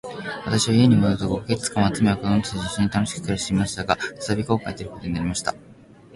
私は家に戻ると五ヵ月間は、妻や子供たちと一しょに楽しく暮していました。が、再び航海に出ることになりました。